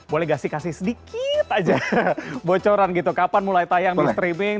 boleh gak sih kasih sedikit aja bocoran gitu kapan mulai tayang di streaming